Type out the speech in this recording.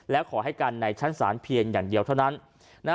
และขอให้กันในชั้นศาลเพียงอย่างเดียวเท่านั้น